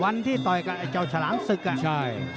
วันที่ต่อยกับเจ้าฉลามศึกอะ